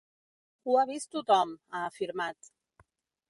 Ho ha vist tothom, ha afirmat.